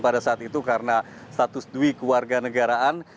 pada saat itu karena status dui kewarga negaraan